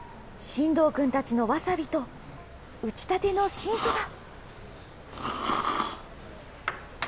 新堂君たちのわさびと、打ちたての新そば。